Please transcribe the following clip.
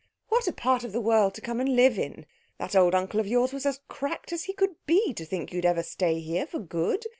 "What a part of the world to come and live in! That old uncle of yours was as cracked as he could be to think you'd ever stay here for good.